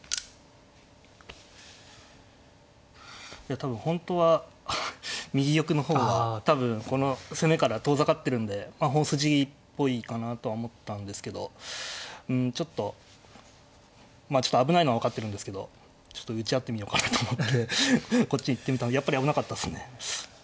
多分本当は右玉の方が多分この攻めから遠ざかってるんで本筋っぽいかなと思ったんですけどちょっと危ないのは分かってるんですけどちょっと打ち合ってみようかなと思ってこっち行ってみたのやっぱり危なかったですね。